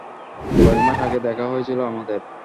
কয়েক মাস আগে দেখা হয়েছিল আমাদের।